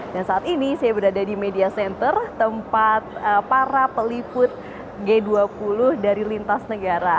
dan saat ini saya berada di media center tempat para peliput g dua puluh dari lintas negara